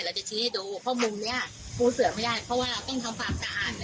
เราจะชิ้นให้ดูข้อมูลเนี่ยปูเสือไม่ได้เพราะว่าต้องทำฝากสะอาด